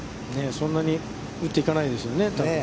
そんなに打っていかないですよね。